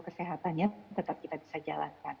kesehatannya tetap kita bisa jalankan